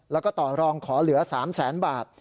แล้วก็ต่อรองขอเหลือ๓แสนบาท